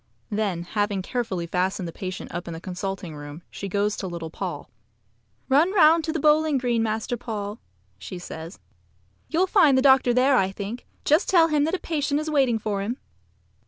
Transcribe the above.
Then, having carefully fastened the patient up in the consulting room, she goes to little Paul. "Run round to the bowling green, Master Paul," says she. "You'll find the doctor there, I think. Just tell him that a patient is waiting for him."